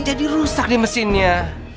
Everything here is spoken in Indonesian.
jadi rusak di mesinnya